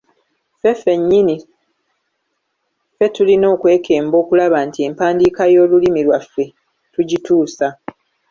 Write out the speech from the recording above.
Ffe ffennyini ffe tulina okwekemba okulaba nti empandiika y’Olulimi lwaffe tugituusa.